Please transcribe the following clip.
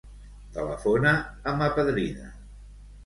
Telefona a ma padrina.